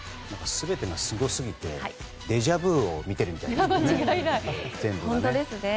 全てがすごすぎてデジャブを見てるみたいですね。